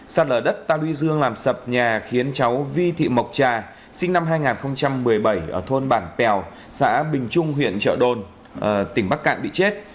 sạt lở đất ta luy dương làm sập nhà khiến cháu vi thị mộc trà sinh năm hai nghìn một mươi bảy ở thôn bản pèo xã bình trung huyện trợ đồn tỉnh bắc cạn bị chết